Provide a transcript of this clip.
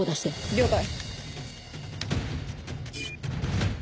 了解。